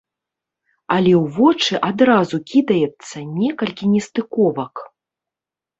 Але ў вочы адразу кідаецца некалькі нестыковак.